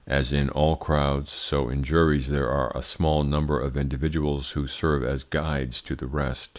As in all crowds, so in juries there are a small number of individuals who serve as guides to the rest.